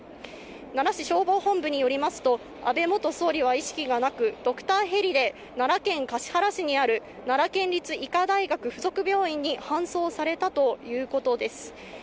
奈良市消防本部によりますと安倍元総理は意識がなく、ドクターヘリで奈良県橿原市にある奈良県立医科大学附属病院に搬送されたということです。